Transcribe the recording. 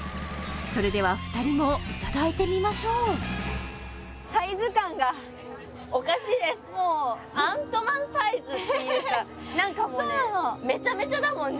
それでは２人もいただいてみましょうもうアントマンサイズっていうかなんかもうめちゃめちゃだもんね